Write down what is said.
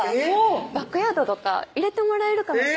「バックヤードとか入れてもらえるかも」